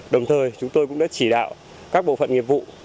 đồng thời chúng tôi cũng đã chỉ đạo các bộ phận nghiệp vụ